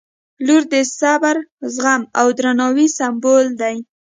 • لور د صبر، زغم او درناوي سمبول دی.